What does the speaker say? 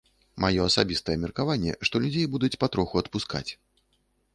Маё асабістае меркаванне, што людзей будуць патроху адпускаць.